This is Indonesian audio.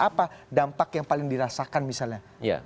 apa dampak yang paling dirasakan misalnya